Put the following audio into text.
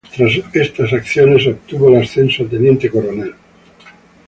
Tras estas acciones obtuvo el ascenso a teniente coronel.